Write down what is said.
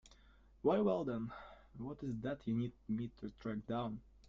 Very well then, what is it that you need me to track down?